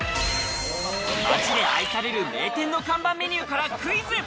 街で愛される名店の看板メニューからクイズ！